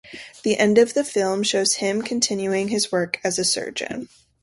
The end of the film shows him continuing his work as a surgeon.